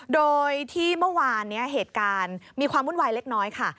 โดยที่เมื่อวานนี้เหตุการณ์มีความวุ่นวายเล็กน้อยค่ะ